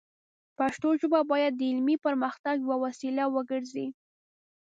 پښتو ژبه باید د علمي پرمختګ یوه وسیله وګرځي.